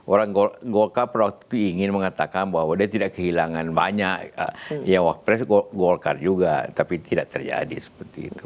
orang golkar waktu itu ingin mengatakan bahwa dia tidak kehilangan banyak ya wak pres golkar juga tapi tidak terjadi seperti itu